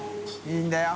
いいんだよ。